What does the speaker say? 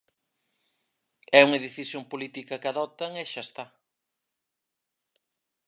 É unha decisión política que adoptan e xa está.